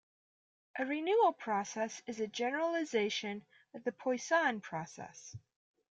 A renewal process is a generalization of the Poisson process.